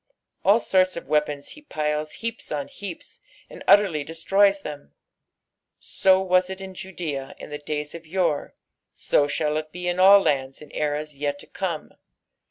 All sorts of weapons he piles heaps on heaps, and utterly destroys them. So was it in Judea in the days of yore, so shall it be in all lands in eras yet to come.